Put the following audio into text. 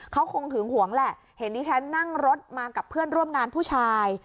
เขาคงหึงหวงแหละเห็นที่ฉันนั่งรถมากับเพื่อนร่วมงานผู้ชาย